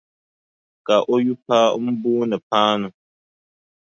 Ka o yupaa m-booni Paanu.